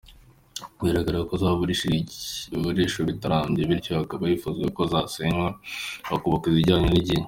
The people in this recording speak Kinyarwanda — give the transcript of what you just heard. Bigaragara ko zubakishishije ibikoresho bitarambye, bityo hakaba hifuzwa ko zasenywa hakubakwa izijyanye n’igihe.